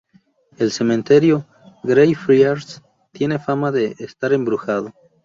El cementerio Greyfriars tiene fama de estar embrujado.